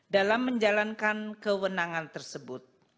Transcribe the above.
dalam menjalankan kewenangan tersebut